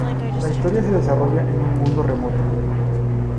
La historia se desarrolla en un mundo remoto.